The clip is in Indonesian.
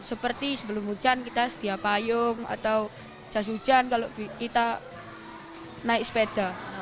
seperti sebelum hujan kita setia payung atau jas hujan kalau kita naik sepeda